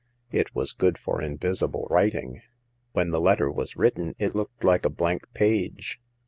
" It was good for invisible writing. When the letter was written, it looked like a blank page.